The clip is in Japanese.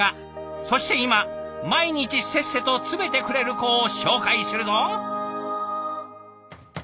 そして今毎日せっせと詰めてくれる子を紹介するぞ！